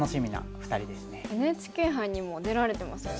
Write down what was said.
ＮＨＫ杯にも出られてますよね。